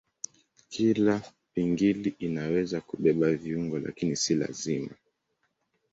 Kila pingili inaweza kubeba viungo lakini si lazima.